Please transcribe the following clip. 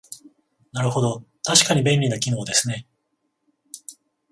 なるほど、確かに便利な機能ですね